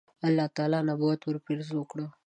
الله تعالی نبوت ورپېرزو کړ.